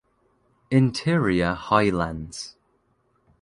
Interior Highlands.